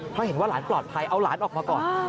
เพราะเห็นว่าหลานปลอดภัยเอาหลานออกมาก่อน